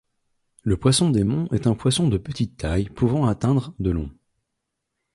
Le Poisson démon est un poisson de petite taille pouvant atteindre de long.